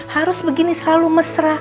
harus begini selalu mesra